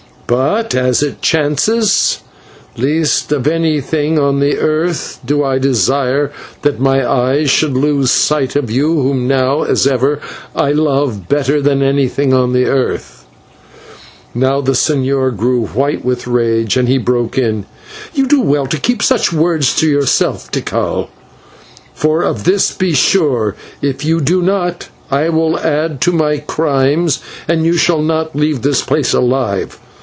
But as it chances, least of anything on the earth do I desire that my eyes should lose sight of you, whom now as ever I love better than anything on the earth." Now the señor grew white with rage, and he broke in "You will do well to keep such words to yourself, Tikal; for of this be sure if you do not, I will add to my crimes and you shall not leave this place alive.